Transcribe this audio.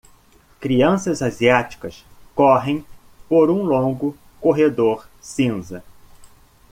Crianças asiáticas correm por um longo corredor cinza.